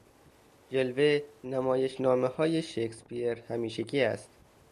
جلوه نمایشنامههای شکسپیر همیشگی است.